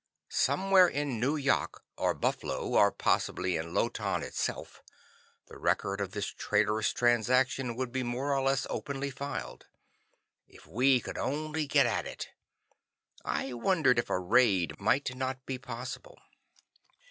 Somewhere in Nu yok or Bah flo, or possibly in Lo Tan itself, the record of this traitorous transaction would be more or less openly filed. If we could only get at it! I wondered if a raid might not be possible.